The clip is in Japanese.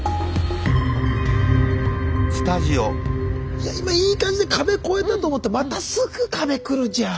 いや今いい感じで壁越えたと思ったらまたすぐ壁来るじゃん。